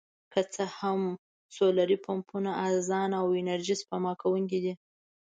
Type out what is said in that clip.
که څه هم سولري پمپونه ارزانه او انرژي سپما کوونکي دي.